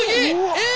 えっ？